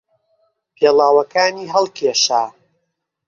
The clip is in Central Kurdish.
پێڵاوەکانی هەڵکێشا.